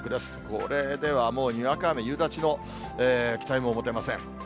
これではもう、にわか雨、夕立の期待も持てません。